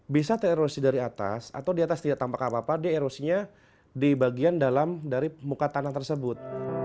bisa tererosi dari atas atau di atas tidak tampak apa apa dia erosinya di bagian dalam dari muka tanah tersebut